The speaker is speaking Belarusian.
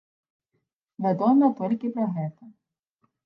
Вядома толькі пра гэта.